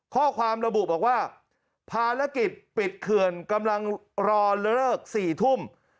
ข้อความระบุบอกว่าภารกิจปิดเขื่อนกำลังรอเลิก๔ทุ่ม